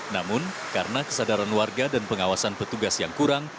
namun karena kesadaran warga dan pengawasan petugas yang kurang